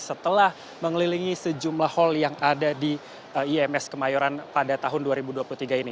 setelah mengelilingi sejumlah hall yang ada di ims kemayoran pada tahun dua ribu dua puluh tiga ini